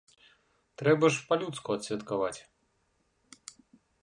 Трэба ж па-людску адсвяткаваць.